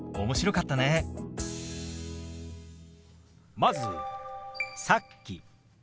まず「さっき」。